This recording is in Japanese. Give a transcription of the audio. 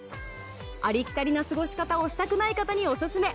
ありきたりな過ごし方をしたくない方にオススメ！